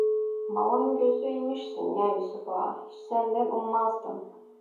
Malın gözü imişsin ya, Yusuf Ağa; hiç senden ummazdım.